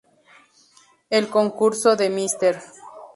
El concurso de "Mr.